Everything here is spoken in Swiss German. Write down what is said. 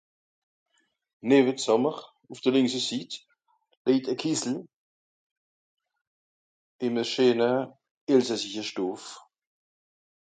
néve zàmmer ùff de lìnkse Sit leijt a kìssel ìm a scheene elsassische Stòff